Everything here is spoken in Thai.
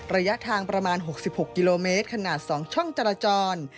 ระยะทางประมาณ๖๖กิโลเมตรขนาด๒ช่องจราจร